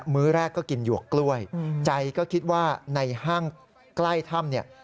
ื้อแรกก็กินหยวกกล้วยใจก็คิดว่าในห้างใกล้ถ้ำเนี่ย